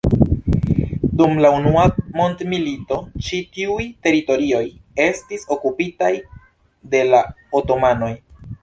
Dum la Unua Mondmilito ĉi tiuj teritorioj estis okupitaj de la otomanoj.